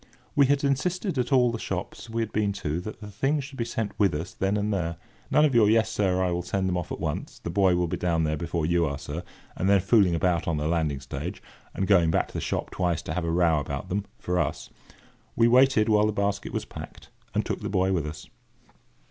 We had insisted at all the shops we had been to that the things should be sent with us then and there. None of your "Yes, sir, I will send them off at once: the boy will be down there before you are, sir!" and then fooling about on the landing stage, and going back to the shop twice to have a row about them, for us. We waited while the basket was packed, and took the boy with us.